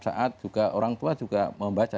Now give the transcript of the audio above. saat juga orang tua juga membaca